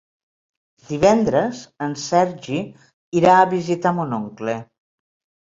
Divendres en Sergi irà a visitar mon oncle.